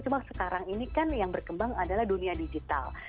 cuma sekarang ini kan yang berkembang adalah dunia digital